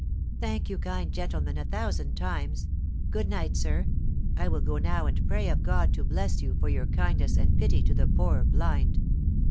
"Thank you, kind gentleman, a thousand times. Good night, sir. I will go now and pray of God to bless you for your kindness and pity to the poor blind."